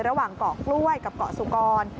ระหว่างเกาะกล้วยกับเกาะสุกร